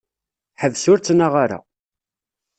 Ḥbes ur ttnaɣ ara.